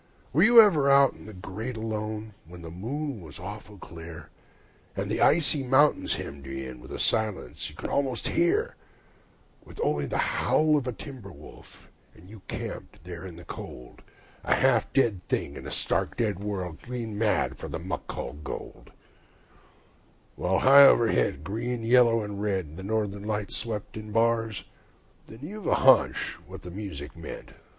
Were you ever out in the Great Alone, when the moon was awful clear, And the icy mountains hemmed you in with a silence you most could HEAR; With only the howl of a timber wolf, and you camped there in the cold, A half dead thing in a stark, dead world, clean mad for the muck called gold; While high overhead, green, yellow and red, the North Lights swept in bars? Then you've a haunch what the music meant...